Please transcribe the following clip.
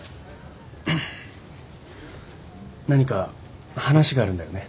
何か話があるんだよね？